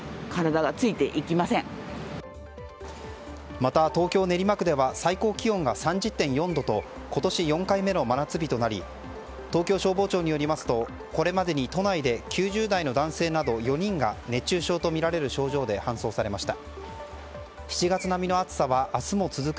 また、東京・練馬区では最高気温が３０．４度と今年４回目の真夏日となり東京消防庁によりますとこれまでに都内で９０代の男性など４人が熱中症とみられる症状で搬送されました。